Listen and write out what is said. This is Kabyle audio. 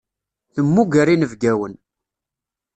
Temmuger inebgawen.